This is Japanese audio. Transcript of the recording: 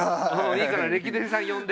いいからレキデリさん呼んで。